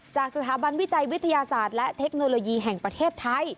จากสถาบันวิจัยวิทยาศาสตร์และเทคโนโลยีแห่งประเทศไทย